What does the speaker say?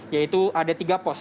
yaitu ada tiga pos